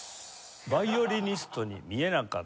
ヴァイオリニストに見えなかった。